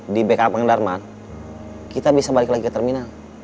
di bka pengendarmang kita bisa balik lagi ke terminal